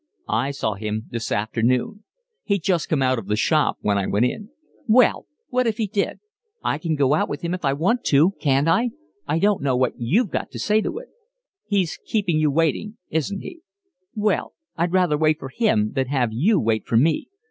"I saw him this afternoon. He'd just come out of the shop when I went in." "Well, what if he did? I can go out with him if I want to, can't I? I don't know what you've got to say to it." "He's keeping you waiting, isn't he?" "Well, I'd rather wait for him than have you wait for me.